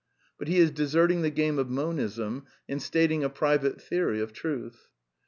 But he is deserting the game of Monism, and stating a private theory of truth.